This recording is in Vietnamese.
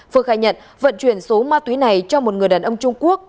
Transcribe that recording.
phương khai nhận vận chuyển số ma túy này cho một người đàn ông trung quốc